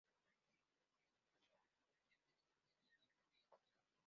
Preside la Fundación de Estudios Sociológicos.